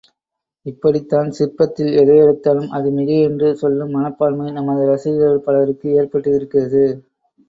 இப்படித்தான் சிற்பத்தில் எதை எடுத்தாலும், அது மிகை என்று சொல்லும் மனப்பான்மை, நமது ரசிகர்கள் பலருக்கு ஏற்பட்டிருக்கிறது.